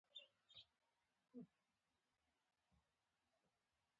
آیا د پښتنو په کلتور کې د مشر ورور احترام نه کیږي؟